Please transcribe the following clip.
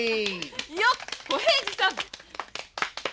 よっ小平次さん！